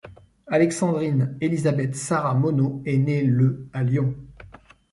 Alexandrine Elisabeth Sarah Monod est née le à Lyon.